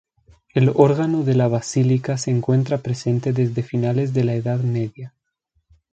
El órgano de la basílica se encuentra presente desde finales de la Edad Media.